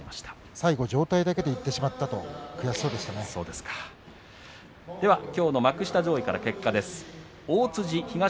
最後は上体だけでいってしまったと輝は幕下上位からの成績です。